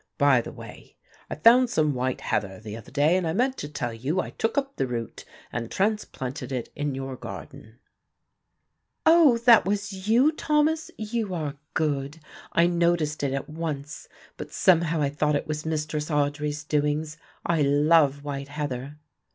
By the way, I found some white heather the other day, and I meant to tell you I took up the root and transplanted it in your garden." "Oh, was that you, Thomas? You are good; I noticed it at once, but somehow I thought it was Mistress Audry's doings. I love white heather."